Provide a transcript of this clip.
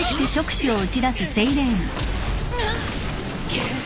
くっ。